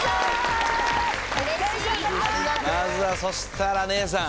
まずはそしたら姉さん。